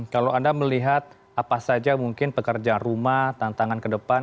kalau anda melihat apa saja mungkin pekerjaan rumah tantangan ke depan